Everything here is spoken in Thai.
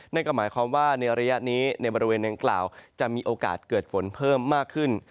นั่นก็หมายความว่าในระยะนี้ในบริเวณดังกล่าวจะมีโอกาสเกิดฝนเพิ่มมากขึ้น